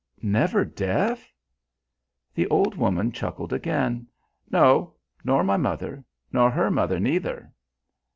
Never deaf?" The old woman chuckled again. "No, nor my mother nor her mother neither."